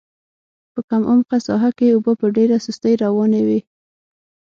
په کم عمقه ساحه کې اوبه په ډېره سستۍ روانې وې.